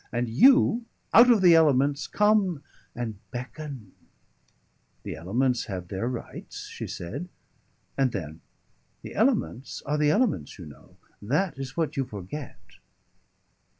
And you, out of the elements, come and beckon " "The elements have their rights," she said. And then: "The elements are the elements, you know. That is what you forget."